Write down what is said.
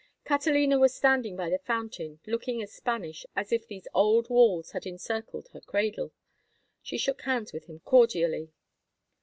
Catalina was standing by the fountain looking as Spanish as if these old walls had encircled her cradle. She shook hands with him cordially.